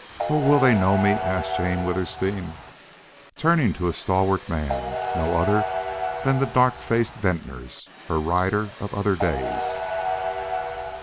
"Oh! will they know me?" asked Jane Withersteen, turning to a stalwart man no other than the dark faced Venters, her rider of other days.